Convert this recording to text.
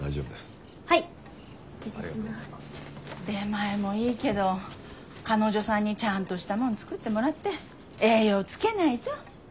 出前もいいけど彼女さんにちゃんとしたもの作ってもらって栄養つけないと。